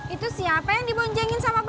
itu siapa yang dibonjongin sama bang udin